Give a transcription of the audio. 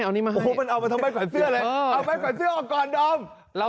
มันเอามาเอาแบบแบกฝ่ายเสื้อเลย